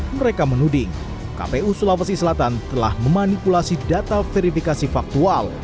mereka menuding kpu sulawesi selatan telah memanipulasi data verifikasi faktual